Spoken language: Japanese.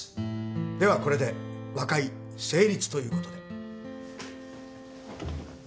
ではこれで和解成立ということで。